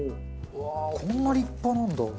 こんな立派なんだ。